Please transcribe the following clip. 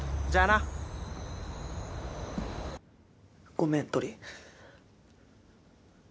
ごめんトリ。